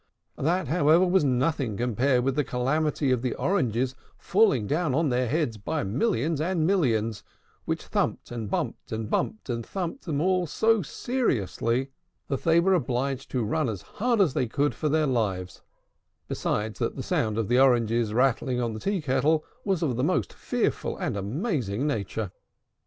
That, however, was nothing compared with the calamity of the oranges falling down on their heads by millions and millions, which thumped and bumped and bumped and thumped them all so seriously, that they were obliged to run as hard as they could for their lives; besides that the sound of the oranges rattling on the tea kettle was of the most fearful and amazing nature.